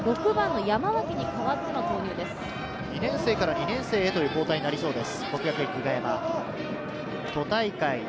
２年生から２年生へという交代になりそうです。